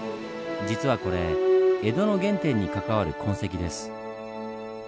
実はこれ江戸の原点に関わる痕跡です。